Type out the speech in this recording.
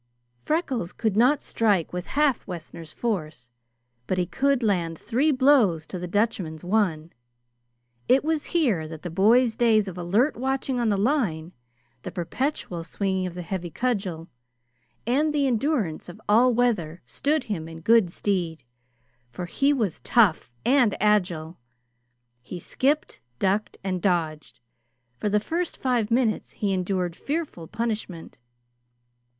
Freckles could not strike with half Wessner's force, but he could land three blows to the Dutchman's one. It was here that the boy's days of alert watching on the line, the perpetual swinging of the heavy cudgel, and the endurance of all weather stood him in good stead; for he was tough, and agile. He skipped, ducked, and dodged. For the first five minutes he endured fearful punishment.